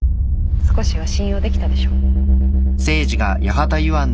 少しは信用できたでしょ